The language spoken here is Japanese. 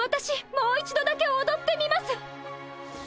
もう一度だけおどってみます！